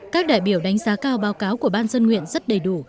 các đại biểu đánh giá cao báo cáo của ban dân nguyện rất đầy đủ